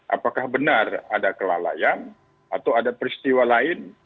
apakah benar ada kelalaian atau ada peristiwa lain